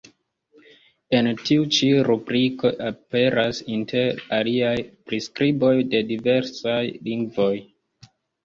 En tiu ĉi rubriko aperas, inter aliaj, priskriboj de diversaj lingvoj.